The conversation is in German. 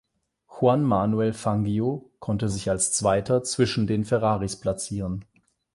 Juan Manuel Fangio konnte sich als Zweiter zwischen den Ferraris platzieren.